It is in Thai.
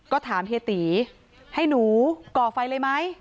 ก็ถามเฮียตีให้หนูก่อไฟเลยไหม